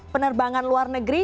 penerbangan luar negeri